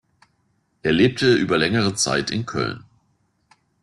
Er lebte über längere Zeit in Köln.